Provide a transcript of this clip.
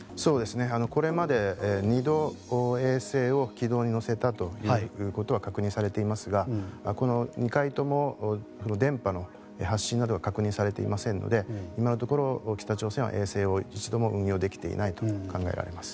これまで、２度衛星を軌道に乗せたことは確認されていますが２回とも、電波の発信などは確認されていませんので今のところ、北朝鮮は衛星を１度も運用できていないと考えられます。